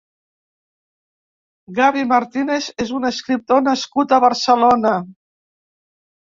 Gabi Martínez és un escriptor nascut a Barcelona.